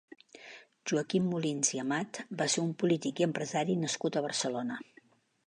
Joaquim Molins i Amat va ser un polític i empresari nascut a Barcelona.